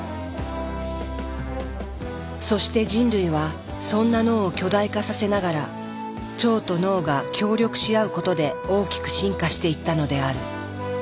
そして人類はそんな脳を巨大化させながら腸と脳が協力し合うことで大きく進化していったのである。